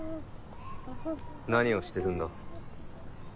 何をしてるんだ？